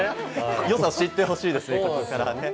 良さ、知ってほしいですね、ここからね。